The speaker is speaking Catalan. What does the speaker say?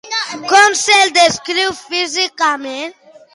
Com se'l descriu físicament?